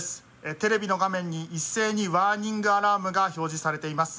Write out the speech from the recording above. テレビの画面に一斉にワーニングアラームが表示されています。